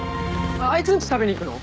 あいつんち食べに行くの？